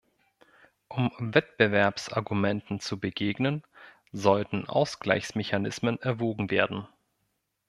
Um Wettbewerbsargumenten zu begegnen, sollten Ausgleichsmechanismen erwogen werden.